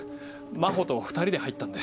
真帆と２人で入ったんで。